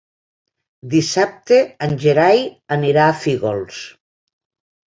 Dissabte en Gerai anirà a Fígols.